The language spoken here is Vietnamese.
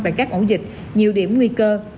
và các ổ dịch nhiều điểm nguy cơ